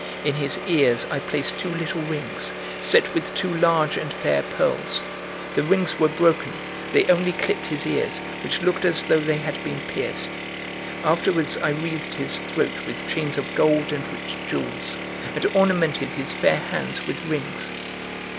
In his ears I placed two little rings, set with two large and fair pearls; the rings were broken; they only clipped his ears, which looked as though they had been pierced. Afterwards I wreathed his throat with chains of gold and rich jewels, and ornamented his fair hands with rings.